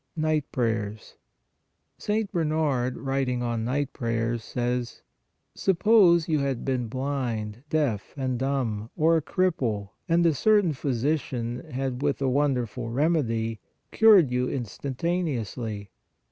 NIGHT PRAYERS. St. Bernard writing on Night WHEN TO PRAY 129 Prayers, says: "Suppose you had been blind, deaf and dumb, or a cripple, and a certain physician had, with a wonderful remedy, cured you instantan eously.